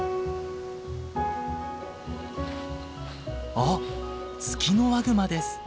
あっツキノワグマです。